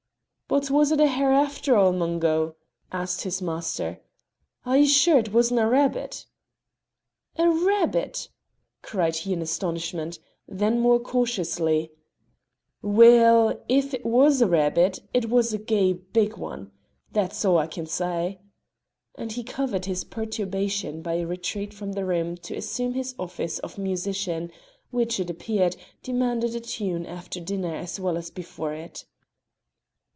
"But was it a hare after a', Mungo?" asked his master. "Are ye sure it wasna a rabbit?" "A rabbit!" cried he in astonishment; then more cautiously, "Weel, if it was a rabbit, it was a gey big ane, that's a' I can say," and he covered his perturbation by a retreat from the room to resume his office of musician, which, it appeared, demanded a tune after dinner as well as before it.